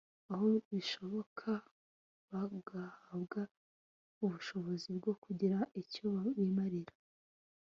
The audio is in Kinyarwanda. aho bishoboka bagahabwa ubushobozi bwo kugira icyo bimarira